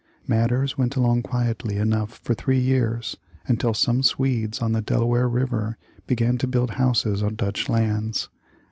Matters went along quietly enough for three years, until some Swedes on the Delaware River began to build houses on Dutch lands.